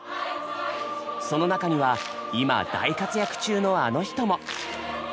その中には今大活躍中のあの人も！